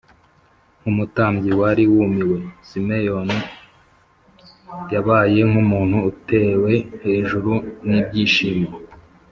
Nk’umutambyi wari wumiwe, Simeyoni yabaye nk’umuntu utewe hejuru n’ibyishimo